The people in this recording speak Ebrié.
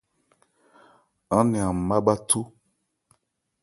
Aán nɛn an má bháthó.